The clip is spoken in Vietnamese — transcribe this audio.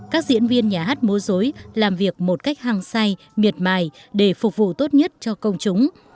các diễn viên nhà hát múa dối làm việc một cách hăng say miệt mài để phục vụ tốt nhất cho công chúng